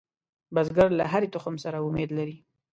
بزګر له هرې تخم سره امید لري